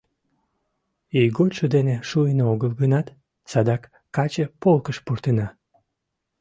Ийготшо дене шуын огыл гынат, садак каче полкыш пуртена.